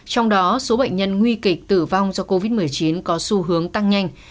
trong đó số bệnh nhân nguy kịch tử vong do covid một mươi chín có xu hướng tăng nhanh